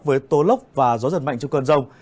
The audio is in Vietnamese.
với tố lốc và gió giật mạnh trong cơn rông